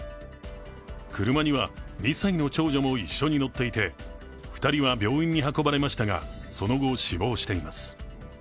車には２歳の長女も一緒に乗っていて２人は病院に運ばれましたが、その後、死亡しています。